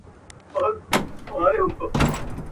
غورځولو ته د پلار یې ځان تیار کړ.